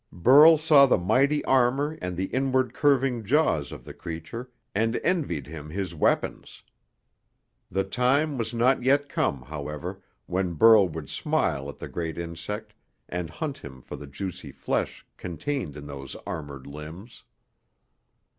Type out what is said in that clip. Burl saw the mighty armour and the inward curving jaws of the creature, and envied him his weapons. The time was not yet come, however, when Burl would smile at the great insect and hunt him for the juicy flesh contained in those armoured limbs.